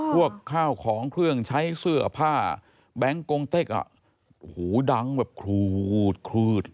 พวกข้าวของเครื่องใช้เสื้อผ้าแบงค์กงเต็กอ่ะโอ้โหดังแบบขูดคลืด